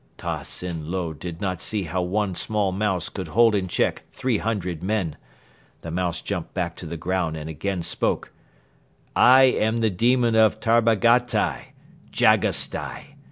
"Ta Sin Lo did not see how one small mouse could hold in check three hundred men. The mouse jumped back to the ground and again spoke: "'I am the demon of Tarbagatai, Jagasstai.